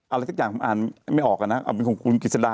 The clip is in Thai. อะไรสักอย่างอ่านไม่ออกนะครับ